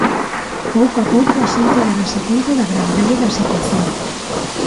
Pouco a pouco a xente darase conta da gravidade da situación.